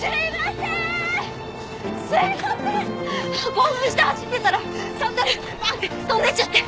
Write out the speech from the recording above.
興奮して走ってたらサンダルバーッて飛んでっちゃって。